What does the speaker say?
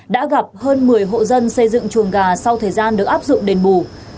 đã gặp hơn một mươi hộ dân xây dựng chuồng gà sau thời gian được áp dụng đền bù